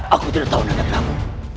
aku tidak tahu nada kamu